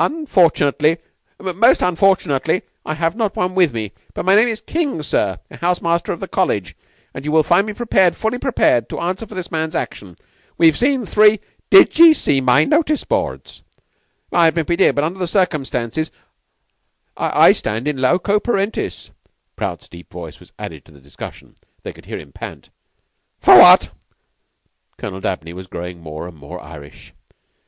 "Unfortunately most unfortunately I have not one with me, but my name is King, sir, a house master of the College, and you will find me prepared fully prepared to answer for this man's action. We've seen three " "Did ye see my notice boards?" "I admit we did; but under the circumstances " "I stand in loco parentis." Prout's deep voice was added to the discussion. They could hear him pant. "F'what?" Colonel Dabney was growing more and more Irish.